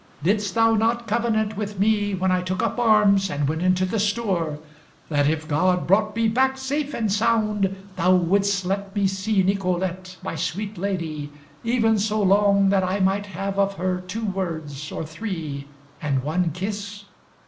Didst thou not covenant with me when I took up arms, and went into the stour, that if God brought me back safe and sound, thou wouldst let me see Nicolete, my sweet lady, even so long that I may have of her two words or three, and one kiss?